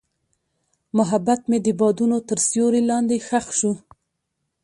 محبت مې د بادونو تر سیوري لاندې ښخ شو.